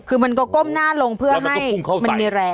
คือมันก็ก้มหน้าลงเพื่อให้มันมีแรงแล้วมันก็พุ่งเข้าใส่